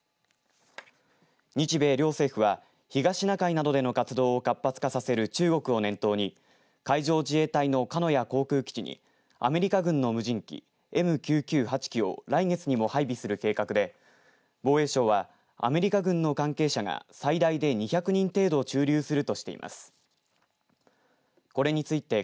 日米両政府は、東シナ海などでの活動を活発化させる中国を念頭に海上自衛隊の鹿屋航空基地にアメリカ軍の無人機ＭＱ９８機を来月にも配備する計画で防衛省はアメリカ軍の関係者が最大で２００人程度駐留するとしています。